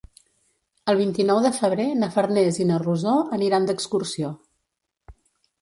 El vint-i-nou de febrer na Farners i na Rosó aniran d'excursió.